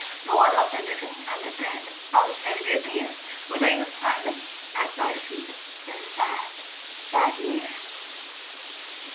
Lord of the living and the dead, Our Saviour dear! We lay in silence at thy feet This sad, sad year.